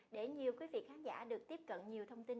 để nhiều quý vị khán giả được tiếp cận nhiều thông tin